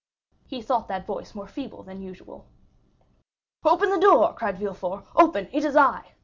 He thought that voice more feeble than usual. "Open the door!" cried Villefort. "Open; it is I."